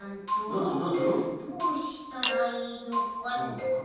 どうしたらいいのか。